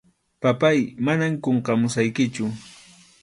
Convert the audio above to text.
Papáy, manam qunqamusaykichu.